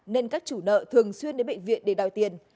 nên các chủ nợ thường xuyên đến bệnh viện để đòi tiền